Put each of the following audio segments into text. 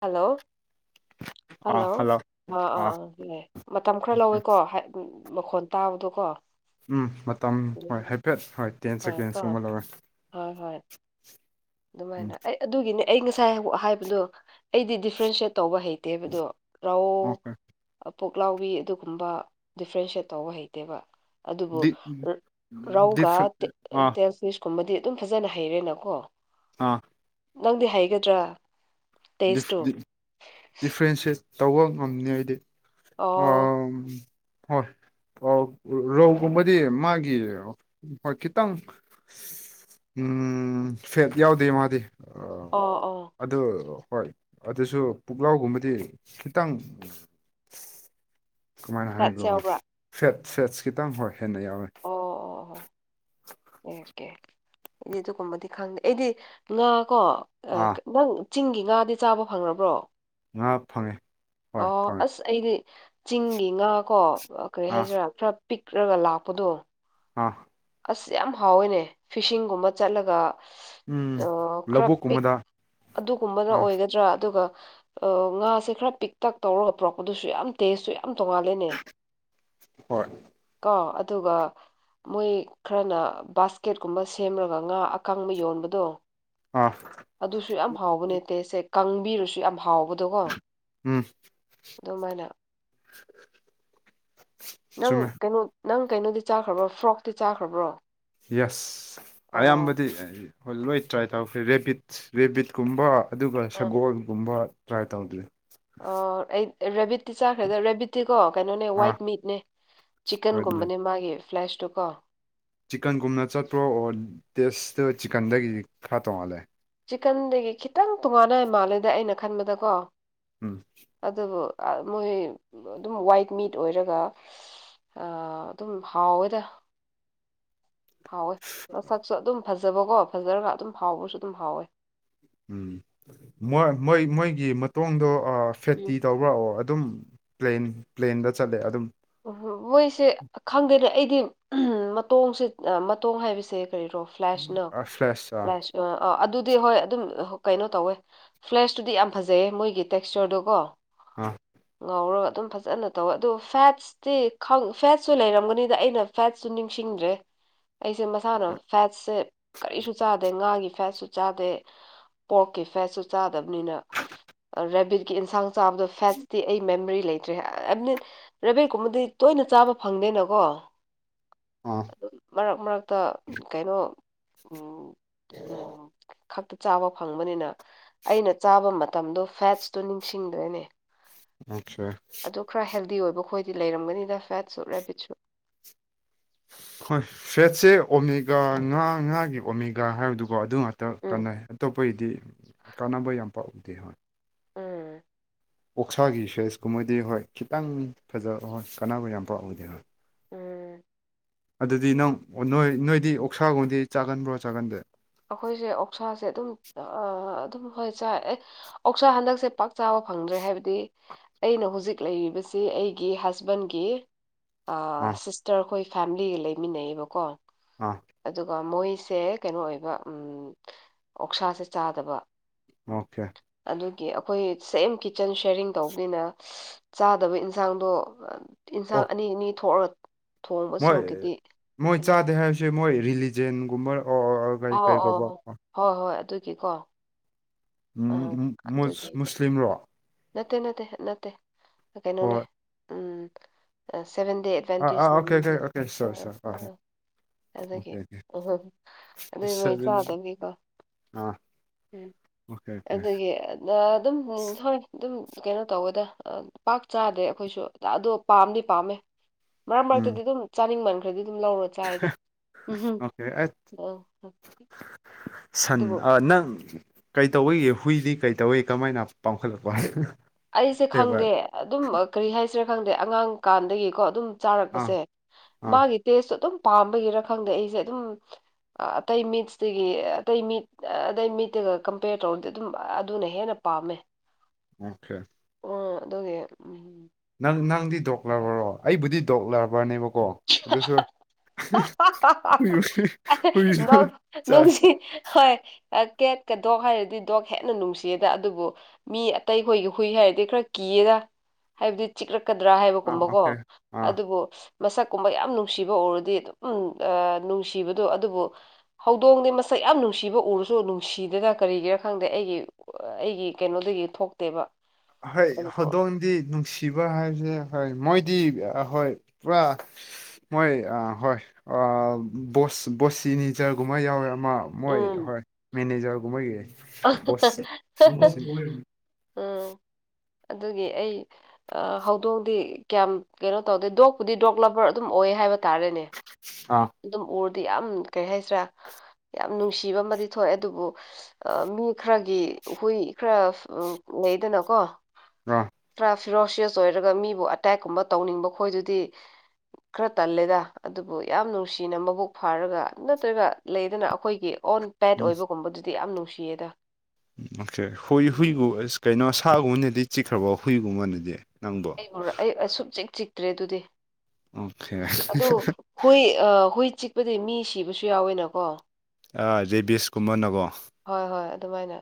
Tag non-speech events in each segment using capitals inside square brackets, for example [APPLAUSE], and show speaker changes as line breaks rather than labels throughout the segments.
Hello hello ꯑꯥ ꯑꯥ ꯑꯥ [UNINTELLIGIBLE] ꯃꯇꯝ ꯈꯔ ꯂꯧꯋꯦꯀꯣ ꯎꯝ ꯃꯈꯣꯟ ꯇꯥꯕꯗꯣꯀꯣ
ꯎꯝ ꯃꯇꯝ ꯍꯣꯏ
ꯎꯝ,
ꯍꯥꯏꯐꯦꯠ ꯍꯣꯏ ꯇꯦꯟ ꯁꯦꯀꯦꯟꯁ ꯀꯨꯝꯕ ꯂꯧꯋꯦ
ꯍꯣꯏ ꯍꯣꯏ
ꯎꯝ
ꯑꯗꯨꯃꯥꯏꯅ ꯑꯩ ꯑꯗꯨꯒꯤꯅꯦ ꯑꯩ ꯉꯁꯥꯏ ꯍꯥꯏꯕꯗꯣ ꯑꯩꯗꯤ ꯗꯤꯐ꯭ꯔꯦꯟꯁꯌꯦꯠ ꯇꯧꯕ ꯍꯩ ꯇꯦꯕꯗꯣ ꯔꯧ
ꯑꯣꯀꯦ
ꯄꯨꯛꯂꯥꯎꯕꯤ ꯑꯗꯨꯒꯨꯝꯕ ꯗꯤꯐ꯭ꯔꯦꯟꯁꯌꯦꯠ ꯇꯧꯕ ꯍꯩꯇꯦꯕ ꯑꯗꯨꯕꯨ ꯔꯧꯒ
ꯗꯤꯐ ꯑꯥ
ꯇꯦꯜꯁ [UNINTELLIGIBLE] ꯀꯨꯝꯕꯗꯤ ꯑꯗꯨꯝ ꯐꯖꯅ ꯍꯩꯔꯦꯅꯀꯣ
ꯑꯥ
ꯅꯪꯗꯤ ꯍꯩꯒꯗ꯭ꯔꯥ
ꯗꯤꯐ
ꯇꯦꯁꯇꯨ
ꯗꯤꯐ꯭ꯔꯦꯟꯁꯦꯠ ꯇꯧꯕ ꯉꯝꯅꯤ ꯑꯩꯗꯤ
ꯑꯣ
ꯑꯝ ꯍꯣꯏ ꯑꯣ ꯔꯧꯒꯨꯝꯕꯗꯤ ꯃꯥꯒꯤ ꯍꯣꯏ ꯈꯤꯇꯪ ꯎꯝ ꯐꯦꯠ ꯌꯥꯎꯗꯦ ꯃꯥꯗꯤ ꯑꯥ
ꯑꯣ ꯑꯣ
ꯑꯗꯨ ꯍꯣꯏ ꯑꯗꯨꯁꯨ ꯄꯨꯛꯂꯥꯎꯒꯨꯝꯕꯗꯤ ꯈꯤꯇꯪ ꯀꯃꯥꯏꯅ
ꯐꯦꯠꯁ
ꯍꯥꯏꯒꯦꯔꯣ
ꯌꯥꯎꯕ꯭ꯔꯥ
ꯐꯦꯠ ꯐꯦꯠꯁ ꯈꯤꯇꯪ ꯍꯣꯏ ꯍꯦꯟꯅ ꯌꯥꯎꯋꯦ [INAUDIBLE]
ꯑꯦꯀꯦ ꯑꯩꯗꯤ ꯑꯗꯨꯒꯨꯝꯕꯗꯤ ꯈꯪꯗꯦ ꯑꯩꯗꯤ ꯉꯥ ꯀꯣ
ꯑꯥ
ꯅꯪ ꯆꯤꯡꯒꯤ ꯉꯥꯗꯤ ꯆꯥꯕ ꯐꯪꯉꯕ꯭ꯔꯣ
ꯉꯥ ꯐꯪꯉꯦ ꯍꯣꯏ
ꯑꯣ
ꯐꯪꯉꯦ
ꯑꯁ ꯑꯩꯗꯤ ꯆꯤꯡꯒꯤ ꯉꯥ ꯀꯣ ꯀꯔꯤ
ꯑꯥ
ꯍꯥꯏꯖꯤꯔꯥ ꯈꯔ ꯄꯤꯛꯔꯒ ꯂꯥꯛꯄꯗꯣ
ꯑꯥ
ꯑꯁ ꯌꯥꯝ ꯍꯥꯎꯋꯦꯅꯦ ꯐꯤꯁꯤꯡꯒꯨꯝꯕ ꯆꯠꯂꯒ
ꯎꯝ
ꯑꯣ ꯈꯔ ꯄꯤꯛ
ꯂꯧꯕꯨꯛꯀꯨꯝꯕꯗ
ꯑꯗꯨꯒꯨꯝꯕꯅ
ꯑꯥ
ꯑꯣꯏꯒꯗ꯭ꯔꯥ ꯑꯗꯨꯒ ꯑꯣ ꯉꯥꯁꯦ ꯈꯔ ꯄꯤꯛ ꯇꯛ ꯇꯧꯔꯒ ꯄꯨꯔꯛꯄꯗꯨꯁꯨ ꯌꯥꯝ ꯇꯦꯁꯁꯨ ꯌꯥꯝ ꯌꯥꯝ ꯇꯣꯉꯥꯜꯂꯦꯅꯦ
ꯍꯣꯏ
ꯀꯣ ꯑꯗꯨꯒ ꯃꯣꯏ ꯈꯔꯅ ꯕꯥꯁꯀꯦꯠꯀꯨꯝꯕ ꯁꯦꯝꯔꯒ ꯉꯥ ꯑꯀꯪꯕ ꯌꯣꯟꯕꯗꯣ
ꯑꯣꯐ
ꯑꯗꯨꯁꯨ ꯌꯥꯝ ꯍꯥꯎꯕꯅꯦ ꯇꯦꯁꯁꯦ ꯀꯪꯕꯤꯔꯁꯨ ꯌꯥꯝ ꯍꯥꯎꯕꯗꯣꯀꯣ
ꯎꯝ
ꯑꯗꯨꯃꯥꯏꯅ ꯅꯪ
ꯆꯨꯝꯃꯦ
ꯀꯩꯅꯣ ꯅꯪ ꯀꯩꯅꯣꯗꯤ ꯆꯥꯈ꯭ꯔꯕ꯭ꯔꯣ ꯐ꯭ꯔꯣꯛꯇꯤ ꯆꯥꯈ꯭ꯔꯕ꯭ꯔꯣ
ꯌꯦꯁ
ꯑ
ꯑꯌꯥꯝꯕꯗꯤ ꯍꯣꯏ ꯂꯣꯏ ꯇ꯭ꯔꯥꯏ ꯇꯧꯈ꯭ꯔꯦ ꯔꯦꯕꯤꯠꯁ ꯔꯦꯕꯤꯠꯀꯨꯝꯕ ꯑꯗꯨꯒ
ꯑ
ꯁꯒꯣꯜꯒꯨꯝꯕ ꯇ꯭ꯔꯥꯏ ꯇꯧꯗ꯭ꯔꯤ
ꯑ ꯑꯩ ꯔꯦꯕꯤꯠꯇꯤ ꯆꯥꯈ꯭ꯔꯦꯗ ꯔꯦꯕꯤꯠ ꯇꯤꯀꯣ ꯀꯩꯅꯣꯅꯦ
ꯑꯥ
ꯋꯥꯏꯠ ꯃꯤꯠꯅꯦ
ꯍꯣꯏ ꯑꯗꯨꯅꯦ
ꯆꯤꯀꯟꯒꯨꯝꯕꯅꯦ ꯃꯥꯒꯤ ꯐ꯭ꯂꯦꯁꯇꯨ ꯀꯣ
ꯆꯤꯛꯀꯟꯒꯨꯝꯅ ꯆꯠꯄ꯭ꯔꯣ ꯑꯣꯔ ꯇꯦꯁꯇ ꯆꯤꯛꯀꯟꯗꯒꯤ ꯈꯔ ꯇꯣꯡꯍꯥꯜꯂꯦ
ꯆꯤꯛꯀꯟꯗꯒꯤ ꯈꯤꯇꯪ ꯇꯣꯡꯉꯥꯟꯅ ꯃꯥꯜꯂꯦꯗ ꯑꯩꯅ ꯈꯟꯕꯗꯀꯣ
ꯎꯝ
ꯑꯗꯨꯕꯨ ꯃꯣꯏ ꯑꯗꯨꯝ ꯋꯥꯏꯠ ꯃꯤꯠ ꯑꯣꯏꯔꯒ ꯑ ꯑꯗꯨꯝ ꯍꯥꯎꯋꯦꯗ ꯍꯥꯎꯋꯦ ꯃꯁꯛꯁꯨ ꯑꯗꯨꯝ ꯐꯖꯕꯀꯣ ꯐꯖꯔꯒ ꯑꯗꯨꯝ ꯍꯥꯎꯕꯁꯨ ꯑꯗꯨꯝ ꯍꯥꯎꯋꯦ
ꯎꯝ ꯃꯣꯏ ꯃꯣꯏ ꯃꯣꯏꯒꯤ ꯃꯇꯣꯡꯗꯣ
ꯎꯝ
ꯐꯦꯠꯇꯤ ꯇꯧ ꯑꯣꯔꯥꯛꯑꯣ ꯑꯗꯨꯝ ꯄ꯭ꯂꯦꯟ ꯄ꯭ꯂꯦꯟꯗ ꯆꯠꯂꯦ ꯑꯗꯨꯝ
ꯎ ꯃꯣꯏꯁꯦ ꯈꯪꯗꯦꯅꯦ ꯑꯩꯗꯤ ꯃꯇꯣꯡꯁꯦ ꯃꯇꯣꯡ ꯍꯥꯏꯕꯁꯦ ꯀꯔꯤꯔꯣ ꯐ꯭ꯂꯦꯁꯅ
ꯐ꯭ꯔꯦꯁ ꯑꯥ
ꯐ꯭ꯂꯦꯁ ꯑ ꯑꯗꯨꯗꯤ ꯍꯣꯏ ꯑꯗꯨꯝ ꯀꯩꯅꯣ ꯇꯧꯋꯦ ꯐ꯭ꯂꯦꯁꯇꯨꯗꯤ ꯌꯥꯝ ꯐꯖꯩꯌꯦ ꯃꯣꯏꯒꯤ ꯇꯦꯛꯁꯆꯔꯗꯨꯣ ꯀꯣ
ꯑꯥ
ꯉꯧꯔꯒ ꯑꯗꯨꯝ ꯐꯖꯅ ꯇꯧꯋꯦ ꯑꯗꯨꯒ ꯐꯦꯠꯁ ꯐꯦꯠꯁꯨ ꯂꯩꯔꯝꯒꯅꯤꯗ ꯑꯩꯅ ꯐꯦꯠꯁꯨ ꯅꯤꯡꯁꯤꯡꯗ꯭ꯔꯦ ꯑꯩꯁꯦ ꯃꯁꯥꯅ ꯐꯦꯠꯁꯦ ꯀꯔꯤꯁꯨ ꯆꯥꯗꯦ ꯉꯥꯒꯤ ꯐꯦꯠꯁꯨ ꯆꯥꯗꯦ ꯄꯣꯛꯀꯤ ꯐꯦꯠꯁꯨ ꯆꯥꯗꯕꯅꯤꯅ ꯔꯦꯕꯤꯠꯀꯤ ꯏꯟꯁꯥꯡ ꯆꯥꯕꯗꯣ ꯐꯦꯠꯁꯇꯤ ꯑꯩ ꯃꯦꯃꯣꯔꯤ ꯂꯩꯇ꯭ꯔꯦ [UNINTELLIGIBLE] ꯀꯨꯝꯕꯗꯤ ꯇꯣꯏꯅ ꯆꯥꯕ ꯐꯪꯗꯦꯅꯀꯣ
ꯑꯥ
ꯑꯗꯨꯝ ꯃꯔꯛ ꯃꯔꯛꯇ ꯀꯩꯅꯣ ꯎꯝ ꯎꯝ ꯈꯛꯇ ꯆꯥꯕ ꯐꯪꯕꯅꯤꯅ ꯑꯩꯅ ꯆꯥꯕ ꯃꯇꯝꯗꯣ ꯐꯦꯠꯁꯇꯨ ꯅꯤꯡꯁꯤꯡꯗ꯭ꯔꯦꯅꯦ
ꯑꯣꯀꯦ
ꯑꯗꯨ ꯈꯔ ꯍꯦꯜꯗꯤ ꯑꯣꯏꯕ ꯈꯈꯣꯏꯗꯤ ꯂꯩꯔꯝꯒꯅꯤꯅ ꯐꯦꯠꯁꯨ ꯔꯦꯄꯤꯠꯁꯨ
ꯍꯣꯏ ꯐꯦꯠꯁꯦ ꯑꯣꯃꯦꯒꯥ ꯉꯥ ꯉꯥꯒꯤ ꯑꯣꯃꯦꯒꯥ ꯍꯥꯏꯕꯗꯨ ꯀꯣ ꯑꯗꯨ ꯉꯥꯛꯇ
ꯎꯝ
ꯀꯥꯟꯅꯩ ꯑꯇꯣꯞꯄꯒꯤꯗꯤ ꯀꯥꯟꯅꯕ ꯌꯥꯝ ꯄꯥꯎ ꯌꯥꯎꯗꯦ ꯍꯣꯏ
ꯎꯝ
ꯑꯣꯛꯁꯥꯒꯤ ꯁꯦꯁ ꯀꯨꯝꯕꯗꯤ ꯍꯣꯏ ꯈꯤꯇꯪ ꯐꯖꯕ ꯍꯣꯏ ꯀꯥꯟꯅꯕ ꯌꯥꯝ ꯄꯥꯎꯗꯦ ꯍꯣꯏ
ꯎꯝ
ꯑꯗꯨꯗꯤ ꯅꯪ ꯅꯣꯏ ꯅꯣꯏꯗꯤ ꯑꯣꯛꯁꯥꯒꯨꯝꯗꯤ ꯆꯥꯒꯟꯕ꯭ꯔꯣ ꯆꯥꯒꯟꯗꯦ
ꯑꯩꯈꯣꯏꯁꯦ ꯑꯣꯛꯁꯥꯁꯦ ꯑꯗꯨꯝ ꯑꯗꯨꯝ ꯍꯣꯏ ꯆꯥꯏ ꯑꯦ ꯑꯣꯛꯁꯥ ꯍꯟꯗꯛꯁꯦ ꯄꯥꯛ ꯆꯥꯕ ꯐꯪꯗ꯭ꯔꯦ ꯍꯥꯏꯕꯗꯤ ꯑꯩꯅ ꯍꯧꯖꯤꯛ ꯂꯩꯔꯤꯕꯁꯤ ꯑꯩꯒꯤ ꯍꯁꯕꯦꯟꯒꯤ
ꯑꯥ
ꯁꯤꯁꯇꯔ ꯑꯩꯈꯣꯏ ꯐꯦꯃꯤꯂꯤꯒ ꯂꯩꯃꯤꯟꯅꯩꯑꯦꯕꯀꯣ
ꯑꯥ
ꯑꯗꯨꯒ ꯃꯣꯏꯁꯦ ꯀꯩꯅꯣ ꯑꯣꯏꯕ ꯑꯣꯛꯁꯥꯁꯦ ꯆꯥꯗꯕ
ꯑꯣꯀꯦ
ꯑꯗꯨꯒꯤ ꯑꯩꯈꯣꯏ ꯁꯦꯝ ꯀꯤꯠꯆꯟ ꯁꯌꯥꯔꯤꯡ ꯇꯧꯕꯅꯤꯅ ꯆꯥꯗꯕ ꯏꯟꯁꯥꯡꯗꯣ
ꯑꯣ
ꯏꯟꯁꯥꯡ ꯑꯅꯤ ꯑꯅꯤ ꯊꯣꯛꯑꯒ ꯊꯣꯡꯕ
ꯃꯣꯏ
ꯁꯔꯨꯛꯀꯤꯗꯤ
ꯃꯣꯏ
ꯀꯩꯅꯣ ꯇꯧ
ꯆꯥꯗꯦ ꯍꯥꯏꯕꯁꯦ ꯃꯣꯏ ꯔꯤꯂꯤꯖꯦꯟꯒꯨꯝꯕ
ꯑꯣ ꯑꯣ ꯍꯣꯏ ꯍꯣꯏ ꯑꯗꯨꯒꯤꯀꯣ ꯑꯥ
ꯎꯝ ꯃꯨ
ꯑꯗꯨꯒꯤ
ꯃꯨꯁꯂꯤꯝꯔꯣ
ꯅꯠꯇꯦ ꯅꯠꯇꯦ ꯅꯠꯇꯦ ꯀꯩꯅꯣꯅꯦ
ꯍꯣꯏ
ꯎꯝ ꯁꯥꯚꯦꯟ ꯗꯦ
ꯑꯥ
ꯑꯦꯗꯚꯦꯟꯇꯤꯁꯅꯦ
okay okay okay sure sure
ꯑꯗꯨꯗꯒꯤ ꯎꯝ ꯑꯗꯨꯏ ꯃꯣꯏ
ꯁꯚꯦꯟ
ꯆꯥꯗꯅꯤꯀꯣ
ꯑꯥ
ꯎꯝ
ꯑꯣꯀꯦ ꯑꯣꯀꯦ
ꯑꯗꯨꯒꯤ ꯑꯗꯨꯝ ꯍꯣꯏ ꯑꯗꯨꯝ ꯀꯩꯅꯣ ꯇꯧꯋꯦꯗ ꯄꯥꯛ ꯆꯥꯗ꯭ꯔꯦ ꯑꯩꯈꯣꯏꯁꯨ ꯑꯗꯣ ꯄꯥꯝꯗꯤ ꯄꯥꯝꯃꯦ ꯃꯔꯛ
ꯎꯝ
ꯃꯔꯛꯇꯗꯤ ꯗꯨꯝ ꯆꯥꯅꯤꯡꯃꯟ ꯈ꯭ꯔꯗꯤ ꯑꯗꯨꯝ ꯂꯧꯔꯣ ꯆꯥꯑꯥꯗ ꯎꯝꯍꯨꯝ
ꯑꯣꯀꯦ ꯑꯩ
ꯑ
ꯁꯟ
ꯑꯗꯨꯕꯨ
ꯑ ꯅꯪ ꯀꯩ ꯇꯧꯋꯤ ꯍꯨꯏꯗꯤ ꯀꯩ ꯇꯧꯋꯏ ꯀꯃꯥꯏꯅ ꯄꯥꯡꯈꯠꯂꯛꯄ
ꯑꯩꯁꯦ ꯈꯪꯗꯦ ꯗꯨꯝ ꯀꯔꯤ ꯍꯥꯏꯁꯤꯔꯥ ꯈꯪꯗꯦ ꯑꯉꯥꯡ ꯀꯥꯟꯗꯒꯤꯀꯣ ꯑꯗꯨꯝ
ꯑꯥ
ꯆꯥꯔꯛꯄꯁꯦ
ꯑꯥ
ꯃꯥꯒꯤ ꯇꯦꯁꯇꯣ ꯗꯨꯝ ꯄꯥꯝꯕꯒꯤꯔ ꯈꯪꯗꯦ ꯑꯩꯁꯦ ꯑꯗꯨꯝ ꯑꯇꯩ ꯃꯤꯠꯁꯇꯒꯤ ꯑꯇꯩ ꯃꯤꯠ ꯑꯇꯩ ꯃꯤꯠꯇꯒ ꯀꯝꯄꯦꯌꯔ ꯇꯧꯔꯗꯤ ꯑꯗꯨꯝ ꯑꯗꯨꯅ ꯍꯦꯟꯅ ꯄꯥꯝꯃꯦ
ꯑꯣꯈꯦ
ꯑꯣꯡ ꯑꯗꯨꯒꯤ ꯎꯝ
ꯅꯪ ꯅꯪꯗꯤ ꯗꯣꯛ ꯂꯕꯥꯔꯔꯣ ꯑꯩꯕꯨꯗꯤ ꯗꯣꯛ ꯂꯕꯥꯔ ꯅꯦꯕꯀꯣ ꯑꯗꯨꯁꯨ
[UNINTELLIGIBLE]
ꯍꯨꯏ ꯍꯨꯏꯁꯨ ꯆꯥꯏ
ꯀꯦꯠꯀ ꯗꯣꯛ ꯍꯥꯏꯔꯗꯤ ꯗꯣꯛ ꯍꯦꯟꯅ ꯅꯨꯡꯁꯤꯌꯦꯗ ꯑꯗꯨꯕꯨ ꯃꯤ ꯑꯇꯩꯈꯣꯏꯒꯨ ꯍꯨꯏ ꯍꯥꯏꯔꯗꯤ ꯈꯔ ꯀꯤꯌꯦꯗ ꯍꯥꯏꯕꯗꯤ ꯆꯤꯛꯔꯛꯀꯗ꯭ꯔꯥ
ꯑꯥ
ꯍꯥꯏꯕꯒꯨꯝꯕꯀꯣ
ꯑꯣꯀꯦ ꯑꯥ
ꯑꯗꯨꯕꯨ ꯃꯁꯛꯀꯨꯝꯕ ꯌꯥꯝ ꯅꯨꯡꯁꯤꯕ ꯎꯔꯗꯤ ꯑꯗꯨꯝ ꯎ ꯑꯥ ꯅꯨꯡꯁꯤꯕꯗꯣ ꯑꯗꯨꯕꯨ ꯍꯧꯗꯣꯡꯗꯤ ꯃꯁꯛ ꯌꯥꯝ ꯅꯨꯡꯁꯤꯕ ꯎꯔꯁꯨ ꯅꯨꯡꯁꯤꯗꯅ ꯀꯔꯤꯒꯤꯔꯥ ꯈꯪꯗꯦ ꯑꯩꯒꯤ ꯑꯩꯒꯤ ꯀꯩꯅꯣꯗꯒꯤ ꯊꯣꯛꯇꯦꯕ
ꯍꯣꯏ
ꯑꯗꯨꯕꯨ
ꯍꯣꯗꯣꯡꯗꯤ ꯅꯨꯡꯁꯤ ꯐꯤꯚꯔ ꯍꯥꯏꯕꯁꯦ ꯐꯩ ꯃꯣꯏꯗꯤ ꯑ ꯍꯣꯏ ꯄꯨꯔꯥ ꯃꯣꯏ ꯑꯥ ꯍꯣꯏ ꯑꯥ ꯕꯣꯁ ꯕꯣꯁꯤꯅꯤꯖꯔꯒꯨꯝꯕ ꯌꯥꯎꯋꯦ ꯑꯃ ꯃꯣꯏ ꯍꯣꯏ ꯃꯦꯅꯦꯖꯔꯒꯨꯝꯕꯒꯤ
ꯑ
ꯕꯣꯁ [UNINTELLIGIBLE] [INAUDIBLE]
ꯑꯗꯨꯒꯤ ꯑꯩ ꯑꯥꯥ ꯍꯧꯗꯣꯡꯗꯤ ꯀꯌꯥꯝ ꯀꯩꯅꯣ ꯇꯧꯗꯦ ꯗꯣꯛꯄꯨꯗꯤ ꯗꯣꯛ ꯂꯕꯔ ꯑꯗꯨꯝ ꯑꯣꯏ ꯍꯥꯏꯕ ꯇꯥꯔꯦꯅꯦ
ꯑꯥ
ꯗꯨꯝ ꯎꯔꯗꯤ ꯌꯥꯝ ꯀꯩꯍꯥꯏꯁꯤ꯭ꯔꯥ ꯌꯥꯝ ꯅꯨꯡꯁꯤꯕ ꯑꯃꯗꯤ ꯊꯣꯛꯑꯦ ꯑꯗꯨꯕꯨ ꯃꯤ ꯈꯔꯒꯤ ꯍꯨꯏ ꯈꯔ ꯂꯩꯗꯅꯀꯣ
ꯑ
ꯈꯔꯥ ꯐꯤꯔꯣꯁꯤꯌꯁ ꯑꯣꯏꯔꯒ ꯃꯤꯕꯨ ꯑꯇꯦꯛꯀꯨꯝꯕ ꯇꯧꯅꯤꯡꯕ ꯈꯣꯏꯗꯨꯗꯤ ꯈꯔ ꯇꯜꯂꯦꯗ ꯑꯗꯨꯕꯨ ꯌꯥꯝ ꯅꯨꯡꯁꯤꯅ ꯃꯕꯨꯛ ꯐꯥꯔꯒ ꯅꯠꯇ꯭ꯔꯒ ꯂꯩꯗꯅ ꯑꯩꯈꯣꯏꯒꯤ ꯑꯣꯟ ꯄꯦꯠ
ꯎꯝ
ꯑꯣꯏꯕꯒꯨꯝꯕꯗꯨꯗꯤ ꯌꯥꯝ ꯅꯨꯡꯁꯤꯌꯦꯗ
ꯑꯣꯀꯦ ꯍꯨꯏ ꯍꯨꯏꯕꯨ ꯀꯩꯅꯣ ꯁꯥꯒꯨꯝꯕꯅꯗꯤ ꯆꯤꯛꯈ꯭ꯔꯕꯣ ꯍꯨꯏꯒꯨꯝꯕꯅꯗꯤ ꯅꯪꯗꯣ
ꯑꯩꯕꯨ ꯑꯩ ꯑꯁꯨꯛ ꯆꯤꯛ ꯆꯤꯛꯇ꯭ꯔꯦ ꯑꯗꯨꯗꯤ
ꯑꯣꯀꯦ
ꯑꯗꯨ ꯍꯨꯏ ꯍꯨꯏ ꯆꯤꯛꯄꯗꯤ ꯃꯤ ꯁꯤꯕꯁꯨ ꯌꯥꯎꯋꯦꯅꯀꯣ
ꯑꯥ ꯔꯦꯕꯤꯁꯀꯨꯝꯃꯅꯀꯣ
ꯍꯣꯏ ꯍꯣꯏ ꯑꯗꯨꯃꯥꯏꯅ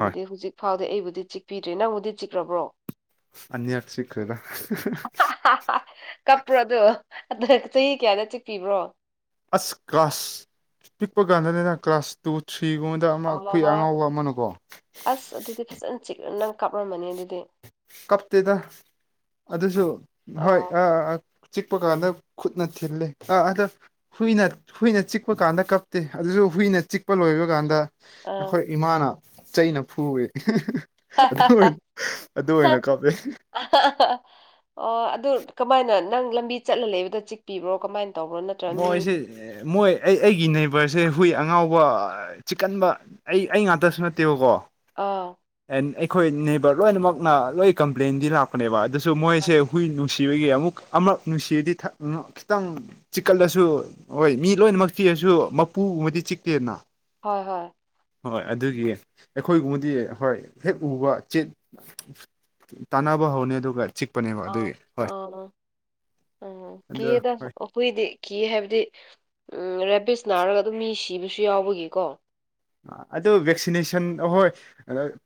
ꯍꯣꯏ
ꯍꯧꯖꯤꯛ ꯐꯥꯎꯗꯤ ꯑꯩꯕꯨꯗꯤ ꯆꯤꯛꯄꯤꯗ꯭ꯔꯦ ꯅꯪꯕꯨꯗꯤ ꯆꯤꯛꯔꯕ꯭ꯔꯣ
ꯑꯅꯤꯔꯛ ꯁꯤꯈꯔꯦꯗ
ꯀꯞꯄ꯭ꯔꯥꯗꯣ ꯆꯍꯤ ꯀꯌꯥꯅ ꯆꯤꯛꯄꯤꯕ꯭ꯔꯣ
ꯑꯁ ꯀꯥ꯭ꯂꯁ ꯄꯤꯛꯄꯥꯀꯟꯗꯅꯦꯗ ꯀ꯭ꯂꯥꯁ ꯇꯨ ꯊ꯭ꯔꯤ ꯒꯨꯝꯃ ꯗ ꯑꯃ ꯈꯨꯏ
ꯑꯣ
ꯑꯉꯥꯎꯕ ꯑꯃꯅꯀꯣ
ꯑꯁ ꯑꯗꯨꯗꯤ ꯐꯖꯟꯅ ꯆꯤꯛ ꯅꯪ ꯀꯥꯞꯔꯝꯃꯅꯤ ꯑꯗꯨꯗꯤ
ꯀꯞꯇꯦꯗ ꯑꯗꯨꯁꯨ ꯍꯣꯏ
ꯑꯣ
ꯑꯑꯥ ꯆꯤꯛꯄ ꯀꯥꯟꯗ ꯈꯨꯨꯠꯅ ꯊꯤꯜꯂꯦ ꯑ ꯑꯗ ꯍꯨꯏꯅ ꯍꯨꯏꯅ ꯆꯤꯛꯄ ꯀꯥꯟꯗ ꯀꯞꯇꯦ ꯑꯗꯨꯁꯨ ꯍꯨꯏꯅ ꯆꯤꯛꯄ ꯂꯣꯏꯕ ꯀꯥꯟꯗ
ꯑꯥ
ꯑꯩꯈꯣꯏ ꯏꯃꯥꯅ ꯆꯩꯅ ꯐꯨꯔꯦ ꯑꯗꯨꯑꯣꯢ ꯑꯗꯨ ꯑꯣꯏꯅ ꯀꯥꯞꯄꯦ
ꯑꯣ ꯑꯗꯨ ꯀꯃꯥꯏꯅ ꯅꯪ ꯂꯝꯕꯤ ꯆꯠꯂ ꯂꯩꯕꯗ ꯆꯤꯛꯄꯤꯕ꯭ꯔꯣ ꯀꯃꯥꯏ
ꯃꯣꯏꯁꯦ ꯃꯣꯏ ꯑꯩ ꯑꯩꯒꯤ ꯅꯦꯕꯔꯁꯦ ꯍꯨꯏ ꯑꯉꯥꯎꯕ ꯆꯤꯛꯀꯟꯕ ꯑꯩ ꯑꯩ ꯉꯥꯛꯇꯁꯨ ꯅꯠꯇꯦꯕꯀꯣ
ꯑꯥ
ꯑꯦꯟ ꯑꯩꯈꯣꯏ ꯅꯦꯕꯔ ꯂꯣꯏꯅꯃꯛꯅ ꯂꯣꯏ ꯀꯝꯄ꯭ꯂꯦꯟꯗꯤ ꯂꯥꯛꯄꯅꯦꯕ ꯑꯗꯨꯁꯨ ꯃꯣꯏꯁꯦ ꯍꯨꯏ ꯅꯨ ꯅꯨꯡꯁꯤꯕꯒꯤ ꯑꯃꯨꯛ ꯑꯃꯛ ꯅꯨꯡꯁꯤꯔꯗꯤ ꯊꯛꯂꯨ ꯈꯤꯇꯪ ꯆꯤꯛꯀꯠꯂꯁꯨ ꯍꯣꯏ ꯃꯤ ꯂꯣꯏꯅꯃꯛ ꯆꯤꯛꯑꯁꯨ ꯃꯄꯨꯒꯨꯝꯕꯗꯤ ꯆꯤꯛꯇꯦꯅ
ꯍꯣꯏ ꯍꯣꯏ
ꯍꯣꯏ ꯑꯗꯨꯒꯤ ꯑꯩꯈꯣꯏꯒꯨꯝꯕꯗꯤ ꯍꯣꯏ ꯍꯦꯛ ꯎꯕ ꯆꯦꯠ ꯇꯅꯥꯕ ꯍꯧꯅꯦ ꯑꯗꯨꯒ ꯆꯤꯛ ꯑꯗꯣ ꯍꯣꯏ
[UNINTELLIGIBLE] ꯍꯨꯏꯗꯤ ꯀꯤ ꯍꯥꯏꯕꯗꯤ ꯎꯝ ꯔꯦꯕꯤꯁ ꯅꯥꯔꯒ ꯑꯗꯨꯝ ꯃꯤ ꯁꯤꯕꯁꯨ ꯌꯥꯎꯕꯒꯤꯀꯣ
ꯑꯗꯨꯣ ꯚꯦꯛꯁꯤꯅꯦꯁꯟ ꯑꯍꯣꯏ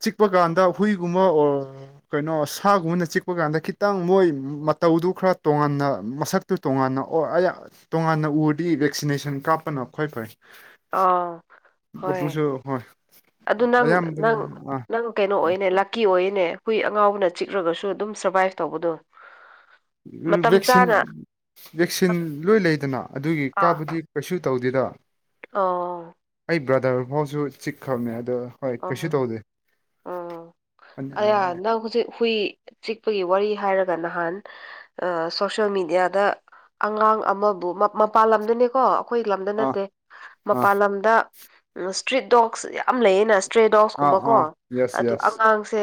ꯆꯤꯛꯄ ꯀꯥꯟꯗ ꯍꯨꯏꯒꯨꯝꯕ ꯑꯣ ꯀꯩꯅꯣ ꯁꯥꯒꯨꯝꯕꯅ ꯆꯤꯛꯄ ꯀꯥꯟꯗ ꯈꯤꯇꯪ ꯃꯣꯏ ꯃꯇꯧꯗꯨ ꯈꯔ ꯇꯣꯉꯥꯟꯅ ꯃꯁꯛ ꯇꯨ ꯇꯣꯉꯥꯟꯅ ꯑꯣ ꯑꯩꯍ ꯇꯣꯉꯥꯟꯅ ꯎꯔꯗꯤ ꯚꯦꯛꯁꯤꯅꯦꯁꯟ ꯀꯥꯞꯄꯅ ꯈ꯭ꯣꯏ ꯐꯩ
ꯑꯥꯎ ꯍꯣꯏ
ꯑꯗꯨꯁꯨ ꯍꯣꯏ
ꯑꯗꯨ ꯅꯪ
ꯑꯌꯥꯝꯕꯅ
ꯅꯪ
ꯑꯥ
ꯅꯪ ꯀꯩꯅꯣ ꯑꯣꯏꯅꯦ ꯂꯛꯀꯤ ꯑꯣꯢꯌꯦꯅꯦ ꯍꯨꯏ ꯑꯉꯥꯎꯕꯅ ꯆꯤꯛꯔꯒꯁꯨ ꯑꯗꯨꯝ ꯁꯔꯕꯥꯏꯞ ꯇꯧꯕꯗꯣ ꯃꯇꯝ
ꯚꯦꯛꯁꯤꯟ
ꯆꯥꯅ
ꯚꯦꯛꯁꯤꯟ ꯂꯣꯏ ꯂꯩꯗꯅ ꯑꯗꯨꯒꯤ ꯀꯥꯕꯨꯗꯤ ꯀꯩꯁꯨ ꯇꯧꯗꯦꯗ
ꯑꯣꯎ
ꯑꯩ ꯕ꯭ꯔꯗꯔ ꯐꯥꯎꯁꯨ ꯆꯤꯛꯈ꯭ꯔꯕꯅꯦ ꯑꯗꯣ ꯍꯣꯏ
ꯑ
ꯀꯩꯁꯨ ꯇꯧꯗꯦ
ꯎꯝ ꯑꯌꯥ
ꯑꯥ
ꯅꯪ ꯍꯨꯖꯤꯛ ꯍꯨꯏ ꯆꯤꯛꯄꯒꯤ ꯋꯥꯔꯤ ꯍꯥꯏꯔꯒ ꯅꯍꯥꯟ ꯑ ꯁꯣꯁ꯭ꯌꯦꯦꯜ ꯃꯦꯗꯤꯌꯥꯗ ꯑꯉꯥꯡ ꯑꯃꯕꯨ ꯃꯄꯥꯥꯟꯂꯝꯗꯅꯤꯀꯣ ꯑꯩꯈꯣꯏ ꯂꯝꯗ
ꯑꯥ
ꯅꯠꯇꯦ ꯃꯄꯥꯟ ꯂꯝꯗ ꯏꯁꯇ꯭ꯔꯤꯠ ꯗꯣꯛꯁ ꯌꯥꯝ ꯂꯩꯌꯦꯅ [UNINTELLIGIBLE]
ꯑꯥ
ꯀꯨꯝꯕ ꯀꯣ
ꯑꯥ ꯌꯦꯁ
ꯑꯗꯨ
ꯌꯦꯁ
ꯑꯉꯥꯡꯁꯦ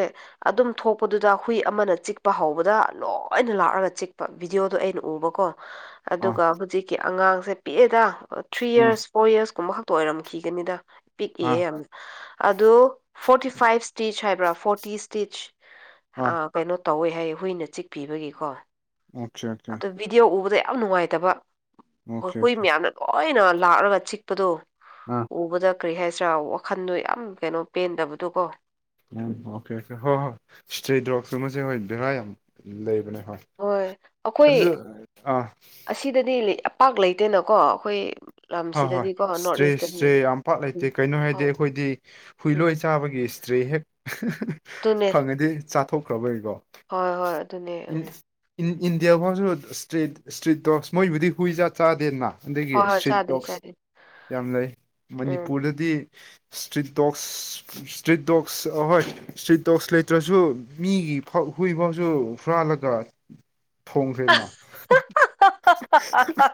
ꯑꯗꯨꯝ ꯊꯣꯛꯄꯗꯨꯗ ꯍꯨꯏ ꯑꯃꯅ ꯆꯤꯛꯄ ꯍꯧꯕꯗ ꯂꯣꯏꯅ ꯂꯥꯛꯑꯒ ꯆꯤꯛꯄ ꯕꯤꯗꯤꯑꯣꯗꯣ ꯑꯩꯅ ꯎꯕꯀꯣ
ꯑꯥ
ꯑꯗꯨꯒ ꯍꯨꯖꯤꯛꯀꯤ ꯑꯉꯥꯡꯁꯦ ꯄꯤꯛꯑꯦꯗ ꯊ꯭ꯔꯤ
ꯎꯝ
ꯢꯌꯔꯁ ꯐꯣꯔ ꯌꯔꯁ ꯀꯨꯝꯕ ꯈꯛ ꯑꯣꯏꯔꯝꯈꯤꯒꯅꯤꯗ
ꯑꯥ
ꯄꯤꯛꯏꯌꯦ ꯌꯥꯝ ꯑꯗꯣ ꯐꯣꯔꯇꯤ ꯐꯥꯏꯞ ꯁ꯭ꯇꯤꯆ ꯍꯥꯏꯕ꯭ꯔꯥ ꯐꯣꯔꯇꯤ ꯁ꯭ꯇꯤꯆ
ꯑꯥ
ꯑ ꯀꯩꯅꯣ ꯇꯧꯋꯦ ꯍꯥꯏꯌꯦ ꯍꯨꯏꯅ ꯆꯤꯛꯄꯤꯕꯒꯤꯀꯣ
ꯑꯣꯀꯦ ꯑꯣꯀꯦ
ꯑꯗꯨ ꯚꯤꯗꯤꯑꯣ ꯎꯕꯗ ꯌꯥꯝ ꯅꯨꯡꯉꯥꯏꯇꯕ
ꯑꯣꯀꯦ
ꯍꯨꯏ
ꯑꯣꯀꯦ
ꯃꯌꯥꯝꯅ ꯂꯣꯏꯅ ꯂꯥꯛꯑꯔꯒ ꯆꯤꯛꯄꯗꯣ
ꯑꯥ
ꯎꯕꯗ ꯀꯔꯤ ꯍꯥꯏꯁꯤꯔꯥ ꯋꯥꯈꯟꯗꯣ ꯌꯥꯝ ꯀꯩꯅꯣ ꯄꯦꯟꯗꯕꯗꯣ ꯀꯣ
ꯎꯝ ꯑꯣꯀꯦ ꯍꯣꯏ ꯍꯣꯏ ꯏꯁꯇ꯭ꯔꯦ ꯗꯣꯛ ꯁꯇꯨꯃꯁꯨ ꯍꯣꯏ ꯚꯦꯔꯥ ꯌꯥꯝ ꯂꯩꯕꯅꯦ ꯍꯣꯏ
ꯍꯣꯏ ꯑꯩꯈꯣꯏ
ꯑꯗꯨ ꯑꯥ
ꯑꯁꯤꯗꯗꯤꯄꯥꯛ ꯂꯩꯇꯦꯅꯀꯣ ꯑꯩꯈꯣꯏ
ꯍꯣꯏ ꯍꯣꯏ
ꯂꯝꯁꯤꯗꯗꯤꯀꯣ ꯅꯣꯔꯠ
ꯏꯁꯇ꯭ꯔꯦ
ꯏꯁꯇꯗꯤ
ꯏꯁꯇ꯭ꯔꯦ ꯌꯥꯝ ꯄꯥꯛ
ꯎꯝ
ꯂꯩꯇꯦ ꯀꯩꯅꯣ ꯍꯥꯏꯗꯤ
ꯍꯣꯏ
ꯑꯩꯈꯣꯏꯗꯤ ꯍꯨꯏ
ꯎꯝ
ꯂꯣꯏ ꯆꯥꯕꯒꯤ ꯇ꯭ꯔꯦ ꯍꯦꯛ
ꯑꯗꯨꯅꯦ
ꯐꯪꯉꯗꯤ ꯆꯥꯊꯣꯛꯈ꯭ꯔꯕꯅꯤꯀꯣ
ꯍꯣꯏ ꯍꯣꯏ ꯑꯗꯨꯅꯦ ꯎꯝ
ꯏꯟꯗꯤꯌꯥ ꯐꯥꯎꯁꯨ ꯏꯁꯇ꯭ꯔꯤꯠ ꯏꯁꯇ꯭ꯔꯤꯠ ꯗꯣꯛꯁ ꯃꯣꯏꯕꯨꯗꯤ ꯍꯨꯏꯖꯥ ꯆꯥꯗꯦꯅ ꯑꯗꯨꯒꯤ
ꯍꯣꯏ ꯍꯣꯏ
ꯏꯁꯇ꯭ꯔꯤꯠ
ꯆꯥꯗ꯭ꯔꯤ
ꯗꯣꯛꯁ
ꯆꯥꯗ꯭ꯔꯤ
ꯌꯥꯝ ꯂꯩ
ꯎꯝ
ꯃꯅꯤꯄꯨꯔꯗꯗꯤ ꯏꯁꯇ꯭ꯔꯤꯠ ꯗꯣꯛꯁ ꯁꯇ꯭ꯔꯤꯠ ꯗꯣꯛꯁ ꯑꯍꯣꯏ ꯏꯁꯇ꯭ꯔꯤꯇꯣꯛꯁ ꯂꯩꯇ꯭ꯔꯁꯨ ꯃꯤꯒꯤ ꯐꯥꯎ ꯍꯨꯏꯐꯥꯎꯁꯨ ꯍꯨꯔꯜꯂꯒ ꯊꯣꯡ ꯈ꯭ꯔꯦꯅ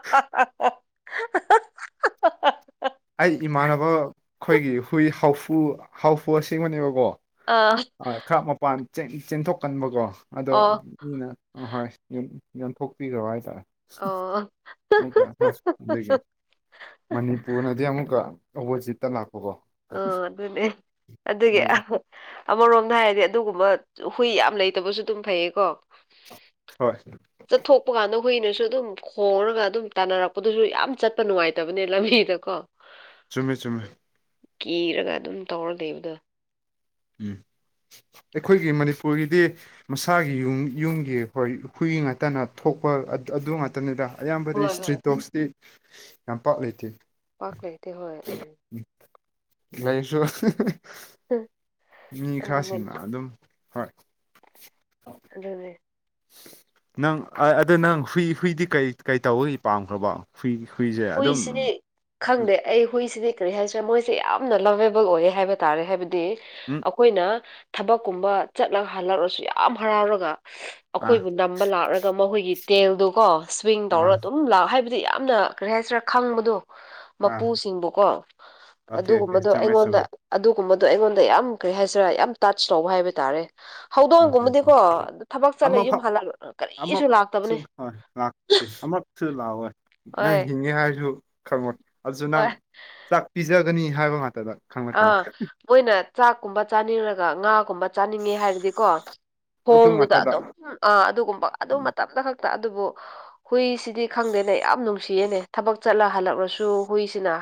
[INAUDIBLE]
ꯑꯩ ꯏꯃꯥꯟꯅꯕ ꯑꯩꯈꯣꯏꯒꯤ ꯍꯨꯏ ꯍꯥꯎꯐꯨ -ꯍꯥꯎꯐꯨ ꯑꯁꯦꯡꯕꯅꯦꯕꯀꯣ ꯑꯥ ꯈꯔ ꯃꯄꯥꯟ ꯆꯦꯟ-ꯆꯦꯟꯊꯣꯛꯀꯟꯕꯀꯣ ꯑꯗꯣ
ꯑꯣ
ꯃꯤꯅ ꯑꯍꯣꯏ ꯌꯣꯟ-ꯌꯣꯟꯊꯣꯛꯄꯤꯈ꯭ꯔꯥꯕ ꯍꯥꯏꯇꯥ꯭ꯔꯦ
ꯑꯣ
ꯑꯃꯨꯛꯀ ꯑꯥ ꯑꯗꯥꯒꯤ ꯃꯅꯤꯄꯨꯔꯅꯗꯤ ꯑꯃꯨꯛꯀ ꯑꯕꯣꯆꯤꯠꯇ ꯂꯥꯛꯄꯀꯣ
ꯑꯣ ꯑꯗꯨꯅꯦ ꯑꯗꯨꯒꯤ
ꯑꯗꯒꯤ
ꯑꯃꯔꯣꯝꯗ ꯍꯥꯏꯔꯗꯤ ꯑꯗꯨꯒꯨꯝꯕ ꯍꯨꯏ ꯌꯥꯝ ꯂꯩꯇꯕꯁꯨ ꯑꯗꯨꯝ ꯐꯩꯌꯦꯀꯣ
ꯍꯣꯏ
ꯆꯠꯊꯣꯛꯄ ꯀꯥꯟꯗ ꯍꯨꯏꯅꯁꯨ ꯑꯗꯨꯝ ꯈꯣꯡꯔꯥꯒ ꯑꯗꯨꯝ ꯇꯥꯟꯅꯔꯛꯄꯗꯨꯁꯨ ꯌꯥꯝ ꯆꯠꯄ ꯅꯨꯡꯉꯥꯏꯇꯕꯅꯦ ꯂꯝꯕꯤꯗꯀꯣ꯫
ꯆꯨꯝꯃꯦ ꯆꯨꯝꯃꯦ
ꯀꯤꯔꯥꯒ ꯑꯗꯨꯝ ꯇꯧꯔꯥ ꯂꯩꯕꯗꯣ꯫
ꯎꯝ ꯑꯩꯈꯣꯏꯒꯤ ꯃꯅꯤꯄꯨꯔꯒꯤꯗꯤ ꯃꯁꯥꯒꯤ ꯌꯨꯝ ꯌꯨꯝꯒꯤ ꯍꯣꯏ ꯍꯨꯏ ꯉꯥꯛꯇꯅ ꯊꯣꯛꯄ ꯑꯗꯨ ꯈꯠꯇꯅꯤꯗ ꯑꯌꯥꯝꯕꯗꯤ
ꯍꯣꯏ ꯍꯣꯏ
ꯏꯁꯇ꯭ꯔꯤꯠ ꯗꯣꯛꯁꯇꯤ ꯌꯥꯝ ꯄꯥꯛ ꯂꯩꯇꯦ꯫
ꯄꯥꯛ ꯂꯩꯇꯦ ꯍꫭꯏ ꯎꯝ
ꯂꯩꯁꯨ
[INAUDIBLE]
ꯃꯤ
ꯑꯗꯨꯅꯦ
ꯈꯔꯥꯁꯤꯡꯅ ꯑꯗꯨꯝ ꯍꯣꯏ
ꯑꯗꯨꯅꯦ
ꯅꯪ ꯑꯗꯨ ꯅꯪ ꯍꯨꯏ ꯍꯨꯏꯗꯤ ꯀꯩ ꯀꯩ ꯇꯧꯕꯒꯤ ꯄꯥꯝꯈ꯭ꯔꯥꯕꯣ ꯍꯨꯏ ꯍꯨꯏꯖꯦ
ꯍꯨꯏꯁꯤꯅꯤ ꯈꯪꯗꯦ ꯑꯩ ꯍꯨꯏꯁꯤꯗꯤ ꯀꯔꯤ ꯍꯥꯏꯁꯤꯔꯥ ꯃꯣꯏꯁꯦ ꯌꯥꯝꯅ ꯂꯥꯚꯦꯕꯜ ꯑꯣꯏꯌꯦ ꯍꯥꯏꯕ ꯇꯥꯔꯦ ꯍꯥꯏꯕꯗꯤ
ꯎꯝ
ꯑꯩꯈꯣꯏꯅ ꯊꯕꯛ ꯀꯨꯝꯕ ꯆꯠꯂꯒ ꯍꯜꯂꯛꯔꯁꯨ ꯌꯥꯝ ꯍꯔꯥꯎꯔꯒ
ꯑꯥ
ꯑꯈꯣꯏꯕꯨ ꯅꯝꯕ ꯂꯥꯛꯂꯒ ꯃꯍꯣꯏꯒꯤ ꯇꯦꯜꯗꯨꯀꯣ ꯁ꯭ꯋꯤꯡ ꯇꯧꯔꯒ
ꯑꯥ
ꯑꯗꯨꯝ ꯂꯥꯛ ꯍꯥꯏꯕꯗꯤ ꯌꯥꯝꯅ ꯀꯔꯤ ꯍꯥꯏꯁꯤꯔꯥ ꯈꯪꯕꯗꯣ
ꯑꯥ
ꯃꯄꯨꯁꯤꯡꯕꯨꯀꯣ
ꯑꯣꯀꯦ ꯑꯣꯀꯦ
ꯑꯗꯨꯒꯨꯝꯕꯗꯣ
ꯆꯨꯝꯃꯦ
ꯑꯩꯉꯣꯟꯗ
ꯆꯨꯝꯃꯦ
ꯑꯗꯨꯒꯨꯝꯕꯗꯣ ꯑꯩꯉꯣꯟꯗ ꯌꯥꯝ ꯀꯔꯤ ꯍꯥꯏꯁꯤꯔꯥ ꯌꯥꯝ ꯇꯆ ꯇꯧꯕ ꯍꯥꯏꯕ ꯇꯥꯔꯦ ꯍꯧꯗꯣꯡꯒꯨꯝꯕꯗꯤꯀꯣ ꯑꯗꯨ ꯊꯕꯛ ꯆꯠꯂ
ꯑꯃ ꯐꯥꯎ
ꯌꯨꯝ ꯍꯜꯂ ꯀꯔꯤꯁꯨ ꯂꯥꯛꯇꯕꯅꯦ꯫
ꯂꯥꯛꯇꯦ ꯁꯨ ꯂꯥꯛꯑꯣꯏ ꯅꯪ
ꯍꯣꯏ
ꯍꯤꯡꯉꯦ ꯍꯥꯏꯔꯁꯨ ꯈꯪꯉꯣꯏ ꯑꯗꯨꯁꯨ ꯅꯪ
ꯍꯣꯏ
ꯆꯥꯛ ꯄꯤꯖꯒꯅꯤ ꯍꯥꯏꯕ ꯉꯥꯛꯇꯗ ꯈꯪꯂꯛꯀꯅꯤ
ꯑꯥ ꯃꯣꯏꯅ ꯆꯥꯛꯀꯨꯝꯕ ꯆꯥꯅꯤꯔꯒ ꯉꯥꯒꯨꯝꯕ ꯆꯥꯅꯤꯡꯉꯦ ꯍꯥꯏꯔꯗꯤꯀꯣ
ꯂꯣꯛꯇꯨ
ꯈꯣꯡꯗꯨꯗ
ꯉꯥꯛꯇꯗ
ꯑꯗꯨꯝ ꯑꯥ ꯑꯗꯨꯒꯨꯝꯕ ꯑꯗꯨ ꯃꯇꯝꯗ ꯈꯛ ꯇꯥ ꯑꯗꯨꯕꯨ ꯍꯨꯏꯁꯤꯗꯤ ꯈꯪꯗꯦꯅꯦ ꯌꯥꯝ ꯅꯨꯡꯁꯤꯌꯦꯅꯦ ꯊꯕꯛ ꯆꯠꯂ ꯍꯜꯂꯛꯂꯁꯨ ꯍꯨꯏꯁꯤꯅ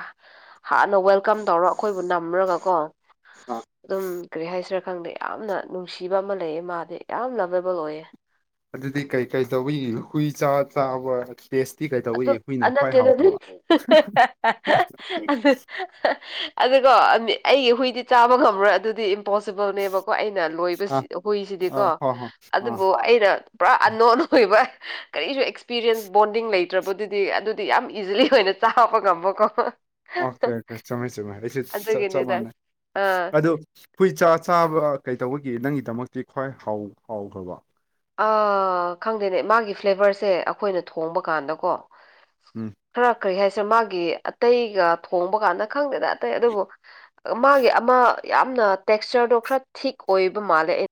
ꯍꯥꯟꯅ ꯋꯦꯜꯀꯝ ꯇꯧꯔꯛ ꯑꯩꯈꯣꯏꯕꯨ ꯅꯝꯔꯥꯒꯀꯣ ꯑꯗꯨꯝ ꯀꯔꯤ ꯍꯥꯏꯁꯤꯔꯥ ꯈꯪꯗꯦ꯫ ꯌꯥꯝꯅ ꯅꯨꯡꯁꯤꯕ ꯑꯃ ꯂꯩꯌꯦ ꯃꯥꯗꯤ ꯌꯥꯝ ꯂꯥꯕꯦꯕꯜ ꯑꯣꯏꯌꯦ
ꯑꯗꯨꯗꯤ ꯀꯩ -ꯀꯩ ꯇꯧꯋꯤ ꯍꯨꯏ ꯆꯥ- ꯆꯥꯕ ꯇꯦꯁꯇꯤ ꯀꯩ ꯇꯧꯕꯒꯤ
ꯑꯗꯨꯝ
ꯍꯨꯏꯅ
ꯑꯥ
ꯈ꯭ꯋꯥꯏ
ꯅꯠꯇꯦꯗ
ꯍꯥꯎꯈ꯭ꯔꯕ
ꯑꯗꯨꯏ ꯑꯗꯨꯀꯣ ꯑꯩꯒꯤ ꯍꯨꯏꯗꯤ ꯆꯥꯕ ꯉꯝꯃꯣꯏ ꯑꯗꯨꯗꯤ ꯄꯣꯁꯤꯕꯜꯅꯦꯕꯀꯣ ꯑꯩꯅ ꯂꯣꯏꯕ ꯁꯤ
ꯑꯥ
ꯍꯨꯏ
ꯑꯥ
ꯁꯤꯗꯤꯀꯣ
ꯍꯣꯏ ꯍꯣꯏ ꯑꯥ
ꯑꯗꯨꯕꯨ ꯑꯩꯅ ꯄꯨꯔꯥ ꯑꯟꯅꯣꯟ ꯑ‌ꯣꯏꯕ ꯀꯔꯤꯁꯨ ꯑꯦꯛꯁꯄꯤꯔꯤꯌꯦꯟꯁ ꯕꯣꯟꯗꯤꯡ ꯂꯩ ꯇ꯭ꯔꯕꯗꯨꯗꯤ ꯑꯗꯨꯗꯤ ꯌꯥꯝ ꯏꯖꯤꯂꯤ ꯑꯣꯏꯅ ꯆꯥꯕ ꯉꯝꯕꯀꯣ
ꯑꯣꯀꯦ ꯑꯣꯀꯦ ꯆꯨꯝꯃ‌ꯦ ꯆꯨꯝꯃ‌ꯦ ꯑꯩꯁꯨ ꯆꯞ ꯆꯞ
ꯑꯗꯨꯒꯤꯅꯤꯗ
ꯃꯥꯅꯩ
ꯑꯥ
ꯑꯗꯨ ꯍꯨꯏ ꯆꯥ ꯆꯥꯕ ꯀꯩꯗꯧꯕꯒꯤ ꯅꯪꯒꯤꯗꯃꯛꯇꯤ ꯈ꯭ꯋꯥꯏ ꯍꯥꯎ ꯍꯥꯎꯈ꯭ꯔꯥꯕꯣ
ꯑꯥ ꯈꯪꯗꯦꯅꯦ ꯃꯥꯒꯤ ꯐ꯭ꯂꯦꯕꯔꯁꯦ ꯑꯈꯣꯏꯅ ꯊꯣꯡꯕ ꯀꯥꯟꯗꯀꯣ
ꯎꯝ
ꯈꯔ ꯀꯩ ꯍꯥꯏꯁꯤꯔꯥ ꯃꯥꯒꯤ ꯑꯇꯩꯒ ꯊꯣꯡꯕ ꯀꯥꯟꯗ ꯈꯪꯗꯦꯗꯥ ꯑꯇꯩ ꯑꯗꯨꯕꯨ ꯃꯥꯒꯤ ꯑꯃꯥ ꯌꯥꯝꯅ ꯇꯦꯛꯆꯔꯗꯣ ꯈꯔ ꯊꯤꯛ ꯑꯣꯏꯕ ꯃꯥꯜꯂꯦ